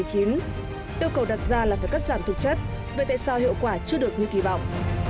yêu cầu đặt ra là phải cắt giảm thực chất vậy tại sao hiệu quả chưa được như kỳ vọng